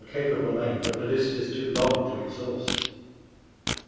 capable men, but the list is too long to exhaust.